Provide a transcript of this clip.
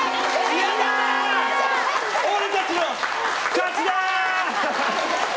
俺たちの勝ちだー！